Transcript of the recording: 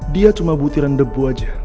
dia cuma butiran debu aja